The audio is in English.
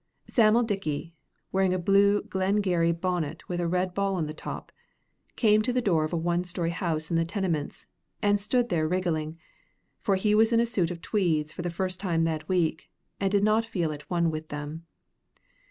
Sam'l Dickie, wearing a blue Glengarry bonnet with a red ball on the top, came to the door of a one story house in the Tenements, and stood there wriggling, for he was in a suit of tweeds for the first time that week, and did not feel at one with them.